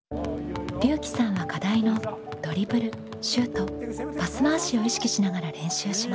りゅうきさんは課題のドリブルシュートパス回しを意識しながら練習します。